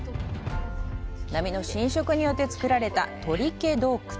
波の浸食によって作られた、鳥毛洞窟。